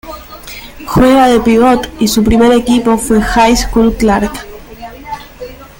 Juega de pívot y su primer equipo fue "High School Clark".